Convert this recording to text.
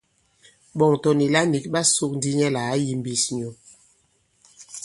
Ɓɔ̀ŋ tɔ̀ nìla nīk ɓa sōk ndī nyɛ lā à kayīmbīs nyu.